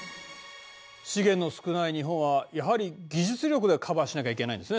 資源の少ない日本はやはり技術力でカバーしなきゃいけないんですね先生。